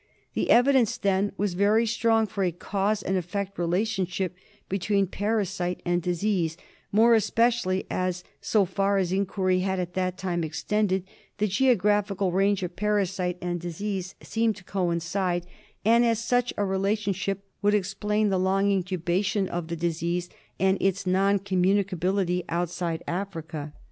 The evidence then was very strong for a cause and effect relationship between parasite and disease, more especially as, so far as inquiry had at that time extended, the geographical range of parasite and disease seemed to coincide, and as such a relationship would explain the long incubation of the disease and its non communicability outside Africa.